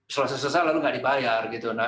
selesai selesai lalu nggak dibayar gitu